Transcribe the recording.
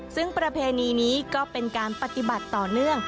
ซึ่งประเพณีนี้ก็เป็นการปฏิบัติต่อเนื่อง